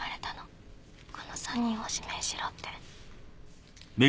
この３人を指名しろって。